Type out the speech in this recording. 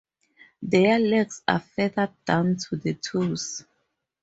Their legs are feathered down to the toes.